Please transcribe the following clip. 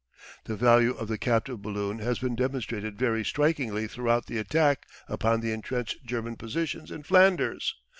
The value of the captive balloon has been demonstrated very strikingly throughout the attack upon the entrenched German positions in Flanders.